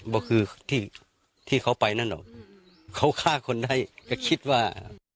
ก็คือที่ที่เขาไปนั่นเหรอเขาฆ่าคนได้ก็คิดว่า